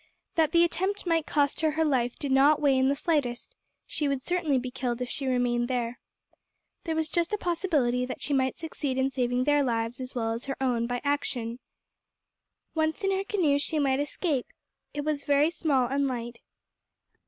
That the attempt might cost her her life did not weigh in the slightest; she would certainly be killed if she remained there. There was just a possibility that she might succeed in saving their lives as well as her own by action. Once in her canoe she might escape; it was very small and light.